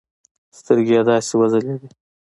سترگې يې داسې وځلېدې.